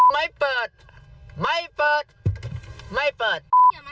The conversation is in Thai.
ไม่เปิดไม่เปิด